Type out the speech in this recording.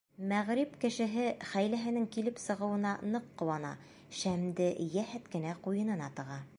Мәғриб кешеһе хәйләһенең килеп сығыуына ныҡ ҡыуана, шәмде йәһәт кенә ҡуйынына тыға.